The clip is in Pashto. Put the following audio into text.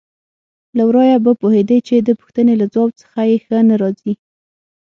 له ورايه به پوهېدې چې د پوښتنې له ځواب څخه یې ښه نه راځي.